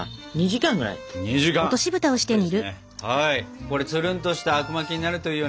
これつるんとしたあくまきになるといいよね。